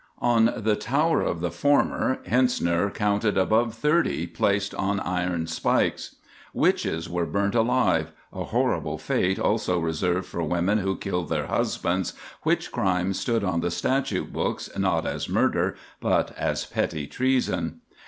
On the tower of the former, Hentzner "counted above thirty" placed "on iron spikes." Witches were burnt alive; a horrible fate also reserved for women who killed their husbands, which crime stood on the statute books not as murder, but as petty treason.